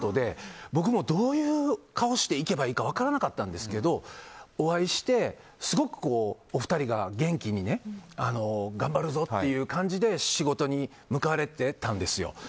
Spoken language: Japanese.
僕もどういう顔して行けばいいか分からなかったんですけどお会いして、すごくお二人が元気に頑張るぞという感じで仕事に向かわれてたんですよ。